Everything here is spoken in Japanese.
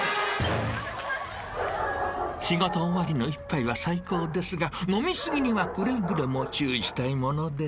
［仕事終わりの一杯は最高ですが飲み過ぎにはくれぐれも注意したいものです］